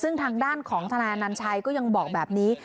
ซึ่งทางด้านของทนายอนัญชัยก็ยังบอกแบบนี้